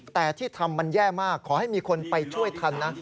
แต่ที่ทำมันแย่มากขอให้มีคนไปช่วยทันนะ